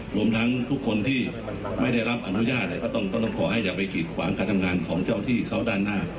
รวมทั้งทุกคนที่ไม่ได้รับอนุญาตก็ต้องขอให้อย่าไปกีดขวางการทำงานของเจ้าที่เขาด้านหน้า